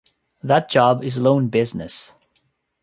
That job is loan business.